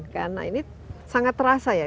karena ini sangat terasa ya